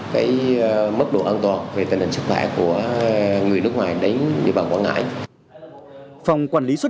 cái mức độ an toàn về tình hình sức khỏe của người nước ngoài đến địa bàn quảng ngãi phòng quản lý xuất